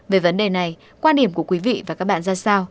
về vấn đề này quan điểm của quý vị và các bạn ra sao